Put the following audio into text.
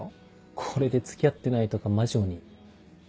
これで付き合ってないとかマジ鬼。